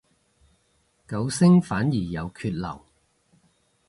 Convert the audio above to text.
九聲反而有缺漏